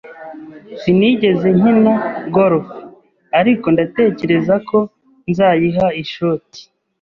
Sinigeze nkina golf, ariko ndatekereza ko nzayiha ishoti